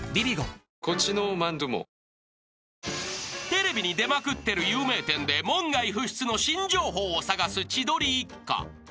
［テレビに出まくってる有名店で門外不出の新情報を探す千鳥一家。